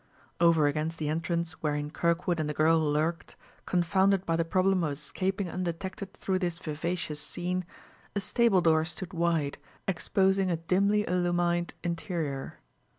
Over against the entrance wherein Kirkwood and the girl lurked, confounded by the problem of escaping undetected through this vivacious scene, a stable door stood wide, exposing a dimly illumined interior.